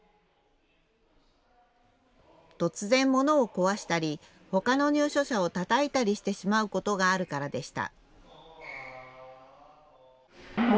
突然、ものを壊したり、ほかの入所者をたたいてしまうことがあるからでした。